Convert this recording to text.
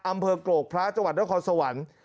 อำเภอกรกพระจังหวัดนครสวรรค์